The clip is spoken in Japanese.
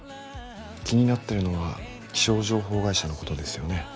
気になってるのは気象情報会社のことですよね。